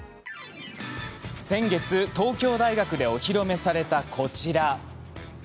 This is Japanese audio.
先月、東京大学でお披露目された、こちら。